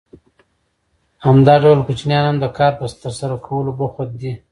همدا ډول کوچنیان هم د کار په ترسره کولو بوخت دي